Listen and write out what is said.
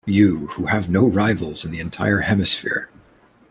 You, who have no rivals in the entire hemisphere!